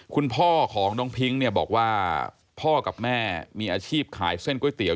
คุณพ่อของน้องพิ้งเนี่ยบอกว่าพ่อกับแม่มีอาชีพขายเส้นก๋วยเตี๋ย